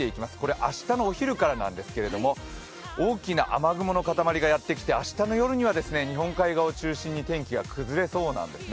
明日のお昼からなんですけれども大きな雨雲のかたまりがやってきて明日の夜には日本海側を中心に天気が崩れそうなんですね。